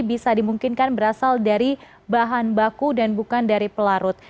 bisa dimungkinkan berasal dari bahan baku dan bukan dari pelarut